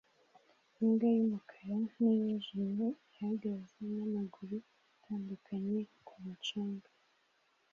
Imbwa y'umukara n'iyijimye ihagaze n'amaguru atandukanye ku mucanga